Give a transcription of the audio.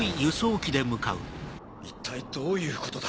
一体どういうことだ？